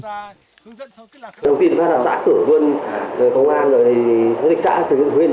đồng tin phát hạ xã cửa vân công an phát hạ xã huyện trưởng